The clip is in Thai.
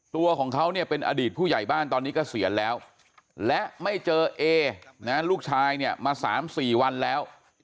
ตัวของเขาเนี่ยเป็นอดีตผู้ใหญ่บ้านตอนนี้เกษียณแล้วและไม่เจอเอนะลูกชายเนี่ยมา๓๔วันแล้ว